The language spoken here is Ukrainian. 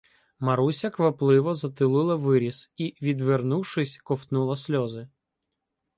Маруся квапливо затулила виріз і, відвернувшись, ковтнула сльози.